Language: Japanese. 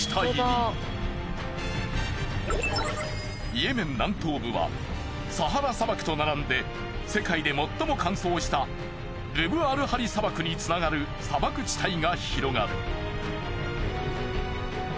イエメン南東部はサハラ砂漠と並んで世界で最も乾燥したルブ・アル・ハリ砂漠につながる砂漠地帯が広がる。